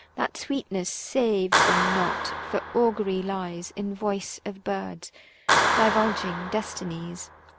470 That sweetness saves them not, for augury lies In voice of birds, divulging destinies.